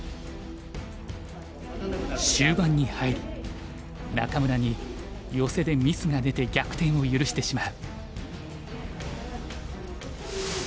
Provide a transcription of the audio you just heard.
終盤に入り仲邑にヨセでミスが出て逆転を許してしまう。